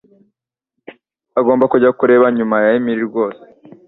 Agomba kujya kureba nyuma ya Emily rwose